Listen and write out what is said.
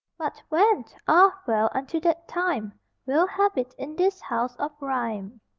But when? Ah well, until that time We'll habit in this house of rhyme.